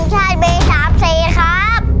ชาติบี๓๔ครับ